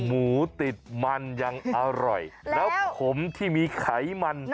หมูติดมันยังอร่อยแล้วผมที่มีไขมัน